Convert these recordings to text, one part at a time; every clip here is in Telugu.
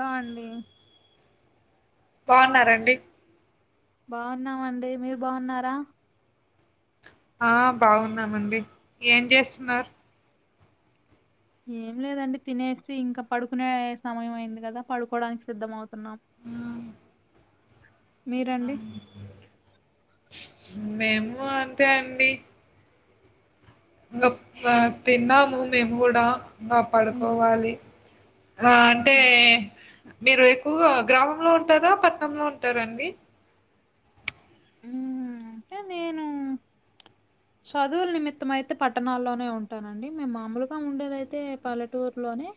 నో అండి బాఉన్నారండి బాఉన్నామండి మీర్ బాఉన్నరా ఆ బాఉన్నామండి ఏం జేస్తున్నర్ ఏం లేదండి తినేసి ఇంకా పడుకునే యే సమయం అయింది కదా పడుకోడానికి సిద్ధ మౌతున్నాం ఉమ్ మీరండి మేము అంతే అండి గప్ప తిన్నాము మేము గూడా ఇంగ ఉమ్, పడుకోవాలి గా అంటే ఉమ్, మీర్ ఎక్కుగా గ్రామంలో ఉంటారా పట్నమ్ లో ఉంటారండి ఆ అంటే నేను చదువుల నిమిత్తం అయితే పట్టణాల్లోనే ఉంటానండి మేము మామూలుగా ఉండేదైతే పల్లెటూరులోనే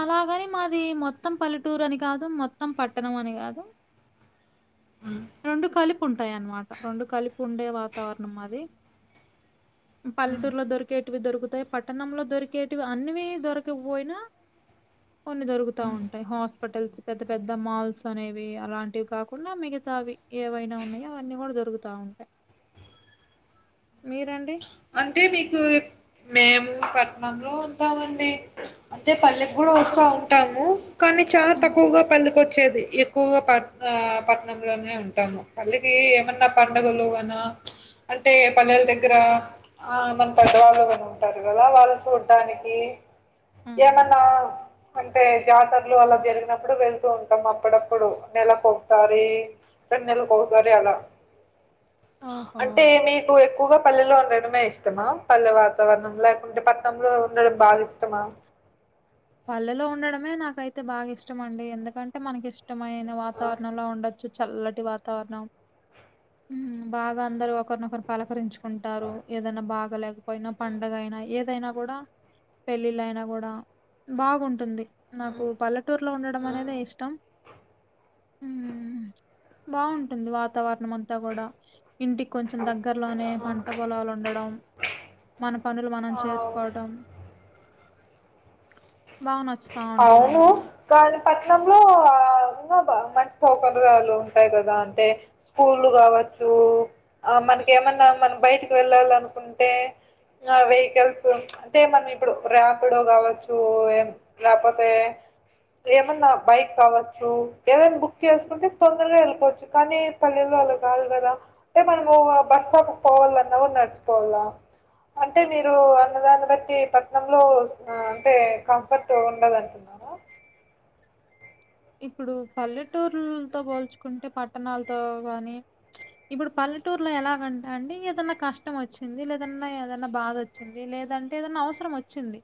అలాగని మాది మొత్తం పల్లెటూరు అని కాదు మొత్తం పట్టణం అని కాదు మ్మ్. రెండు కలిపి ఉంటాయి అన్నమాట రెండు కలిపి ఉండే వాతావరణం మాది మ్మ్. పల్లెటూరులో దొరికేటివి దొరుకు పట్టణంలో దొరికేటివి అన్ని దొరకకాపోయినా కొన్ని దొరుకుతా మ్మ్. ఉంటాయి హాస్పిటల్స్ పెద్ద పెద్ద మాల్స్ అనేవి అలాంటివి కాకుండా మి మిగతావి ఏవైనా ఉన్నాయో అవన్నీ కూడా దొరుకుతా ఉంటాయి మీరండి అంటే మీకు మేము పట్నంలో ఉంటామండి అంటే పల్లెకి కూడా వస్తా ఉంటాము కానీ కానీ చాలా హ్మ్. తక్కువగా పల్లెకి వచ్చేది ఎక్కువగా పట్ పట్నంలోనే ఉంటాము పల్లెకి ఏమన్నా పండగలు అయిన అంటే పల్లెల దగ్గర ఆ మన పెద్దవాళ్ళు గున ఉంటారు కదా వాళ్ళు చూడ్డానికి హ్మ్. ఏమన్నావ్ అంటే జాతరలు అలా జరిగినప్పుడు వెళ్తూ ఉంటాం అప్పుడప్పుడు నెలకు ఒకసారి రెన్నెల్లకి ఓకసారి అలా ఓహో! అంటే మీకు ఎక్కువగా పల్లెలో ఉండడమే ఇష్టమా పల్లె వాతావరణం లేకుంటే పట్టణంలో ఉండడం బాగా ఇష్టమా పల్లెలో ఉండడమే నాకైతే బాగా ఇష్టం అండి ఎందుకంటే మనకి ఇష్టమైన ఆ! వాతావరణంలో ఉండ చల్లటి వాతావరణం బాగా అందరు ఒకరినొకరు పలకరించు కుంటారు ఏదన్నా బాగా లేకపోయినా పండగ అయినా ఏదైనా కూడా పెళ్ళిళ్ళు అయినా కూడా బాగుంటుంది నాకు హ్మ్. పల్లెటూరులో ఉండడం హ్మ్. అనేదే ఇష్టం బాగుంటుంది వాతావరణం అంతా కూడా ఇంటికి కొంచెం దగ్గరలోనే హ్మ్. పంట పొలాలు ఉండడం మన పనులు మనం ఆ! ఆ! చేసుకోవటం బాగా నచ్చుతా అవును ఉంటదండి కానీ పట్నంలో ఆ ఇంకా బా మంచి సౌకర్యాలు ఉంటాయి కదా అంటే స్కూల్లు కావ చ్చు ఆ మనకి ఏమన్నా మనం బయటికి వెళ్ళాలి అనుకుంటే ఆ వెహికల్స్ అంటేమన్నా ఇప్పుడు ర్యాపిడో కావచ్చు ఏం లేకపోతే ఏమన్నా బైక్ కావచ్చు ఏదన్నా బుక్ చేసుకుంటే తొందరగా వెళ్ళిపోవచ్చు కానీ పల్లెల్లో కాదు కదా అంటే మనము బస్ స్టాప్ కి పోవాలన్నా నడిచి పోవాళ్ళ అంటే మీరు అన్న దాన్ని బట్టి పట్నంలో అంటే కంఫర్ట్ ఉండదంటున్నారా ఇప్పుడు పల్లెటూరులతో పోల్చుకుంటే పట్టణాలతో కానీ ఇప్పుడు పల్లెటూరులో ఎలాగంటే అండి ఏదన్నా కష్టం వచ్చింది లేదన్నా ఏదన్నా బాధ వచ్చింది లే లేదంటే ఏదన్నా అవసరం వచ్చింది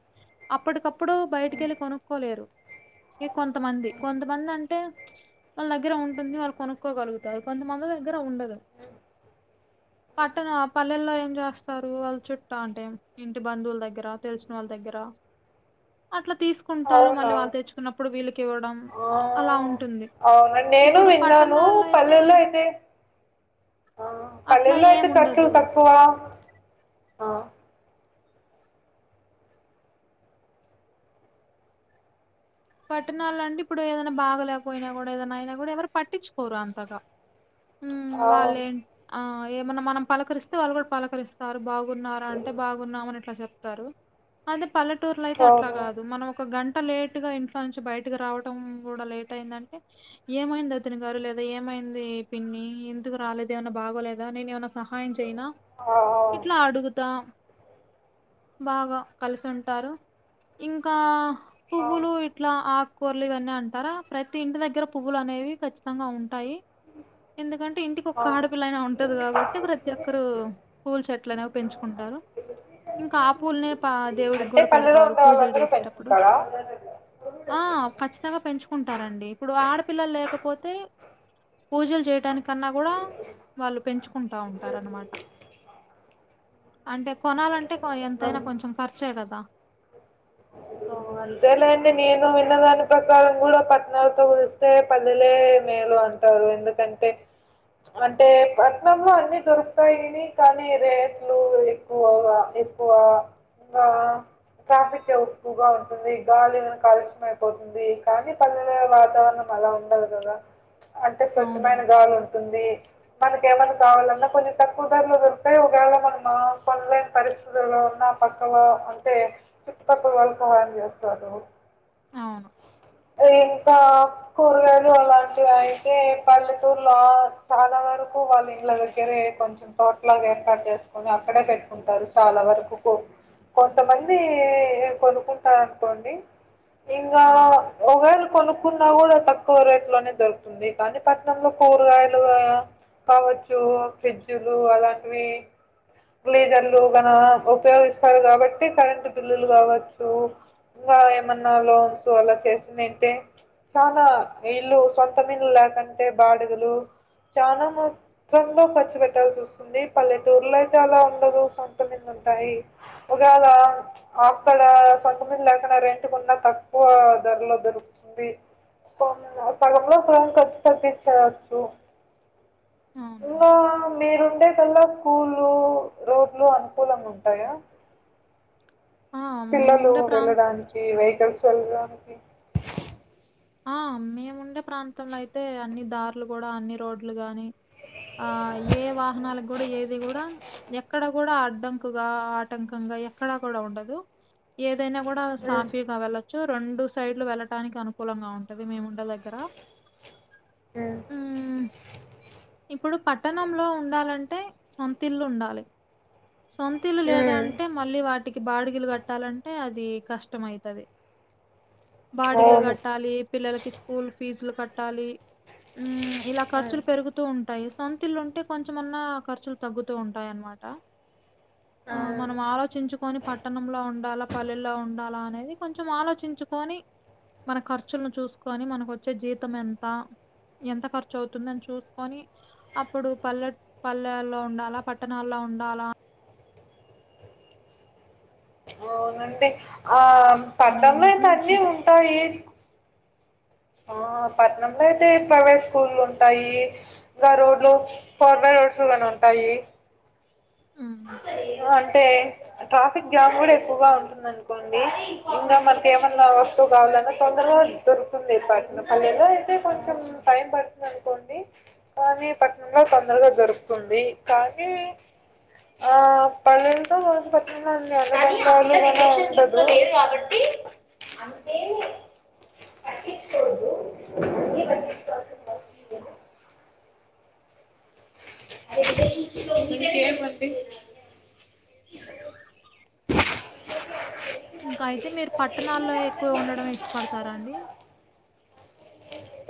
అప్పటికప్పుడు బయటికి వెళ్ళి కొనుక్కోలేరు ఇ కొంత మంది కొంతమంది అంటే వాళ్ళ దగ్గర ఉంటుంది వాళ్ళు కొనుక్కోగలుగుతారు కొంతమంది దగ్గర ఉండదు ఆ పట్టణ పల్లెల్లో ఏం జేస్తారు వాళ్ళ చుట్ట అంటే ఇంటి బంధువుల్ దగ్గర తెలిసిన వాళ్ళ దగ్గర. అట్లా తీసుకుంటారు మళ్ళీ అవునవును. వాళ్ళు తెచ్చుకున్నప్పుడు వీళ్ళకి ఇవ్వడం అలా ఉం. అవున్ నేను విన్నాను పల్లెల్లో అయితే. అట్లా పల్లెల్లో ఏం అయితే కచ్చులు ఉండదు తక్కువా. పట్టణాల అంటే ఇప్పుడు ఏదైనా బాగలేకపోయినా గూడా ఏదైనా అయినా గూడా ఎవరు పట్టించుకోరు అంతగా. ఉమ్ అవును. వాళ్ళేం ఆయి. ఇగ ఏమన్నా మనం పలకరిస్తే వాళ్ళు గూడా పలకరిస్తారు బాగున్నారా అంటే బాగున్నామని ఇట్లా జేప్తారు. అదే పల్లెటూర్లో అయితే అట్లా అవును. గాదు మనం ఒక గంట లేటు గా ఇంట్ల. నుంచి బయటకి రావటం గూడా లేట్ అయింది అంటే ఏమైంది ఒదిన గారు లేదా ఏమైంది పిన్ని. ఇ ఎందుకు రాలేదు ఏమన్నా బాగోలేదా నేను ఏమన్నా సహాయం చేయనా ఆ! అవును. ఇట్లా అడుగుతా. బాగా కలిసుంటారు ఇంకా. ఆ. పువ్వులు ఇట్లా ఆకుకూరలు ఇవన్నీ అంటారా ప్రతి ఇంటి దగ్గర పువ్వులు అనేవి ఖచ్చితంగా ఉం. ఎందుకంటే ఇంటికి ఒక్క ఆ! ఆడపిల్ల అయినా ఉంటుంది కాబట్టి ప్రతి ఒక్కరూ పూల్ చెట్లనేవి పెంచుకుంటారు. ఇంకా ఆ పూల్నే పా దేవుడికి అంటే గూడా పల్లెలో పెడతారు ఉండే పూజలు వాళ్ళందరూ చేసేటప్పుడు. పెంచుకుంటారా? ఆ ఖచ్చితంగా పెంచుకుంటారండి ఇప్పుడు ఆడపిల్లలు లేకపోతే. పూజలు చేయటానిక్. కన్నా గూడా వాళ్ళు పెంచుకుంటా ఉంటారు అన్నమాట. అంటే కొనాలంటే కో ఎంతైనా హ్మ్. కొంచెం ఖర్చే గదా. [inaudible] అంతేలేండి నేను విన్నదాని ప్రకారం గూడా పట్నాలతో పోలిస్తే పల్లెలే మే. ఇగ అంటారు ఎందుకంటే. అంటే పట్నంలో అన్ని దొరుకుతాయిని కానీ రేట్లు ఎక్కువగా. ఎక్కువ ట్ర ట్రాఫిక్. ఉక్కుగా ఉంటుంది గాలిమో కాలుష్యం అయిపోతుంది కానీ పల్లెలో వాతావరణం అలా ఉండదు. గద అంటే స్వచ్ఛమైన అవునండి. గాలి ఉంటుంది మనక ఏమన్నా కావాలన్నా కొంచం తక్కువ ధరలో దొరుకుతాయి ఒకవేళ మనం మ కొనలేని పరిస్థితులలో. ఆ తక్కువ అంటే. చుట్టుపక్కల వాళ్ళు సహాయం జేస్తారు అవును. ఏ. తక్కువగా. ఇలాంటివి అయితే పల్లెటూరులో చాలా వరకు వాళ్ళ ఇండ్ల దగ్గరే కొంచెం తోట్ల. ఏర్పాటు చేసుకొని అక్కడే పెట్టుకుంటారు చాలా వరకు కో కొంతమందీ. ఏ కొనుకుంటారనుకోండి ఇంకా వా అవును. వా మొగోళ్ళు. కొనుక్కున్నా గూడా తక్కువ రేట్ లోనే దొరుకుంది కానీ పట్టణంలో కూరగాయలుగా. కావచ్చు ఫ్రిడ్జులు అలాంటివి. గ్లీజర్లు కన పొతే సరిగ్గా పెట్టి కరెంటి బిల్లులు గావచ్చు. ఇలా ఏమన్నా లోన్స్ అలా చేసింది ఏంటే చాలా ఇల్లు సొంతమిల్లు లా. ఎకంటే బాడుగులు. చాలా మొత్తంతో ఖర్చు పెట్టాల్సి ఓస్తుంది పల్లెటూర్లో. చాలా ఉండదు సొంతమంది ఉంటాయి. ఒకవేళ అక్కడ సొంతమిల్లు లేకున్నా రెంట్కున్నా తక్కువ ధరల దొరు. దీ సగంలో సగం ఖర్చు తగ్గించవచ్చు. అవునండి. ఇంకా మీరుండే గాళ్ళే స్కూలు. లు రోడ్లు అనుకూలంగా ఉంటాయా ఆ! పిల్లలు మేముండే ప్రాం వెళ్ళడానికి వెహికల్స్ వెళ్ళడానికి ఆ మేముండే ప్రాంతంలో అయితే అన్ని దార్లు కూడా అన్ని రోడ్లు గాని ఆ ఏ వాహనాల కూడా ఏది కూడా ఎక్కడ కూడా అడ్డంకుగా ఆటంకంగా ఎక్కడా కూడా ఉండదు ఏదైనా కూడా హ్మ్. సాఫీగా వెళ్లచ్చు రెండు సైడ్లు వెళ్ళటానికి అను కులంగా ఉంటది మేము ఉండే దగ్గర ఉమ్మ్ ఉమ్మ్ ఇప్పుడు పట్టణంలో ఉండాలంటే సొంతిల్లు ఉండాలి సొంతీలు లేదా అంటే మళ్ళీ వాటికి బాడిగలు కట్టాలంటే అది కష్టమైతది [inaudible] బాడిగలు అవును. కట ఈ పిల్లలకి స్కూల్ ఫీజులు కట్టాలి ఉమ్మ్ ఇలా ఖర్చులు పెరుగుతూ ఉంటాయి సొంతిల్లు ఉంటే కొంచెమన్నా ఖర్చులు తగ్గుతూ ఉంటాయి అన్నమ ట ఆ మనం ఆలోచించుకొని పట్టణంలో ఉండాలా పల్లెల్లో ఉండాలా అనేది కొంచెం ఆలోచిం చ్చుకొని మన ఖర్చులను చూసుకొని మనకు వచ్చే జీతం ఎంత ఎంత ఖర్చు అవుతుంది అని చూసుకొని అప్పుడు పల్లె పల్లెల్లో ఉండాలా పట్టణాల్లో ఉండాలా అవునండి ఆ అనే పట్నంల అయితే నిర్ణయం అన్ని తీసుకుంటే ఉంటాయి ఆ పట్టణంలో అయితే ప్రైవేట్ స్కూల్ ఉంటాయి ఇంకా రోడ్లు ఫోర్వే రూట్స్ గాని ఉంటాయి హ్మ్. అంటే ట్రాఫిక్ జామ్ కూడా ఎక్కువగా ఉంటుంది అనుకోండి ఇంకా మనకి ఏమన్నా వస్తువు కావాలన్నా తొందర గా దొరకు తుంది పట్నం పల్లెలో అయితే కొంచం టైం పడుతుంది అనుకోండి కానీ పట్నంలో తొందరగా దొరుకుతుంది కానీ ఆ పల్లెలతో పోలిస్తే పట్నంలో అన్ని అనుబంధాలు కూడా ఉంటదు అంతే పట్టించుకోవద్దు [unintelligible] ఇంకేమండి ఇంకా అయితే మీరు పట్టణాల్లో ఎక్కువ ఉండడం ఇష్టపడతారా అండి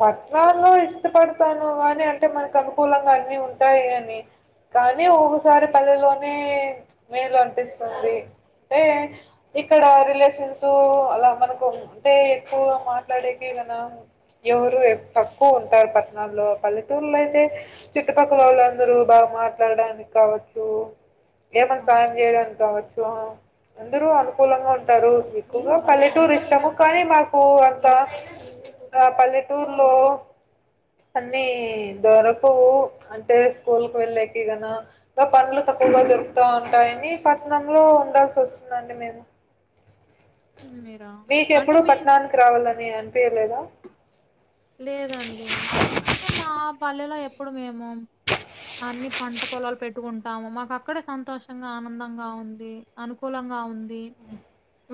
పట్టణల్లో ఇష్టపడతాను అని అంటే మనకి అనుకూలంగా అన్ని ఉంటాయి అని కానీ ఒక్కొక్కసారి పల్లెలోనే మేలు అనిపిస్తుంది అంటే ఇక్కడ రిలేషన్స్ అలా మనకు అంటే ఎక్కువ మాట్లాడేకి కదా ఎవరు తక్కువ ఉంటారు పట్టణాల్లో పల్లెటూరులో అయితే చుట్టుపక్కల వాళ్ళందరూ బాగా మాట్లాడడానికి కావచ్చు ఏమన్నా సాయం అవునండి. చేయడానికి కావచ్చు అందరూ అనుకూలంగా ఉంటారు ఎక్కువగా పల్లెటూరు ఇష్టము కానీ మాకు అంత ఆ పల్లెటూర్లో అన్ని దొరకవు అంటే స్కూల్‌కి వెళ్లేకి గిన ఇంకా పన్లు త ఎక్కువగా దొరుకుతా ఉంటాయని పట్టనంలో ఉండాల్సి వస్తుందండి మేము మీరా? అంటే మీకెప్పుడూ మీ పట్ణానికి రావాలని అనిపియాలేదా లేదండి ఎందుకంటే మా పల్లెలో ఎప్పుడు మేము అన్ని పంట పొలాలు పెట్టుకుంటాము మాకు అక్కడే సంతోషంగా ఆనందంగా ఉంది అనుకూలం గా ఉంది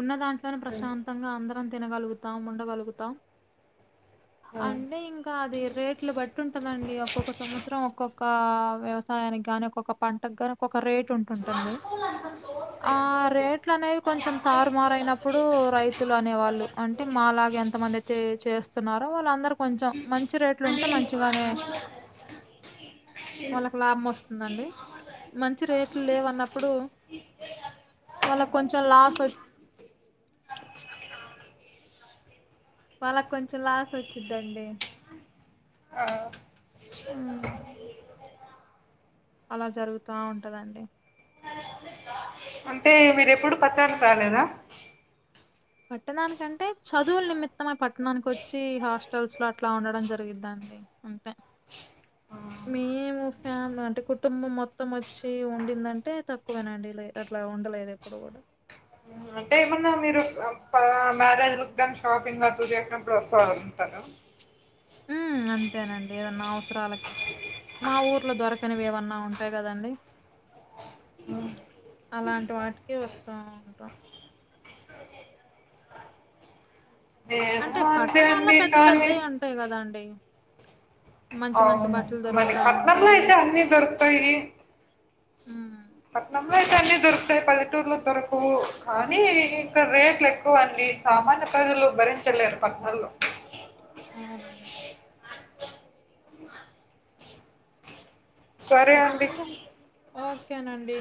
ఉన్నదం కాని ఉమ్ ప్రశాంతంగా అందరం తినగలుగుతాం ఉండగలుగుతాం ఉమ్ అంటే ఇంక ంకా అది రేట్లు బట్టి ఉంటదండి ఒక్కొక్క సంవత్సరం ఒక్కొక్క వ్యవసాయానికి గ్గాని ఒక్కొక్క పంట క్కరికి ఒక రేట్ ఉంటుంటుంది ఆ రేట్లు అనేవి కొంచెం తారుమారుయినప్పుడు రైతులు అనేవాళ్ళు అంటే మాల లాగ ఎంతమందయితే చేస్ వాళ్ళందరు కొంచెం మంచి రేట్లు ఉంటే మంచిగానే వాళ్ళకు లాభం వస్తుందండి మంచి రేట్లు లేవన్నప్పుడు వాళ్ళక్ కొంచెం లాస్ వచ్ వాళ్ళక్ కొంచెం లాస్ వచ్చిద్దండి ఆ హ్మ్. అలా జరుగుతా ఉంటదండి ంటే మీరెప్పుడు పత్తరకు రాలేదా పట్టణానికంటే చదువుల నిమిత్తమె పట్టణానికి వచ్చి హాస్టల్స్ లో అట్లా ఉండడం జరిగిద్ద దె అంతే ఉ మేము ఫ్యామిలీ అంటే కుటుంబం మొత్తం వచ్చి ఉండిందంటే తక్కువేనండి లె అట్లా ఉ ఉండలేదు ఎప్పుడు కూడా అంటే ఏమన్నా మీరు మ్యారేజ్ ల గ్గాన్ షాపింగ్ అట్ల చేసినప్పుడు వస్తా ఉంటా ఆ అంతేనండి ఏదన్నా అవసరాలకి మా ఊర్లో దొరకనివేవన్నా ఉంటాయి కదండి అలాంటి వాటికే వస్తా ఉంటాం అంటే మేము అంతే పట్టణాల్లో అండి పెద్ద కానీ పెద్దయి ఉంటాయి కదండి అవును మరి పట్నంలో ఉంటాయి. అయితే అన్ని దొరుకుతాయి హ్మ్. పట్నంలో అయితే అన్ని దొరుకుతాయి పల్లెటూరులో దొరకువు కానీ ఇక్కడ రేట్లు ఎక్కువ అన్నీ సామాన్య ప్రజలు భరించలేరు పట్నంలో అవునండి సరే అండి ఖచ్చితంగా. ఓకేనండి